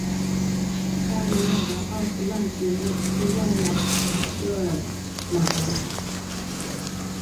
他领导奥斯曼军队击败了尕勒莽王朝。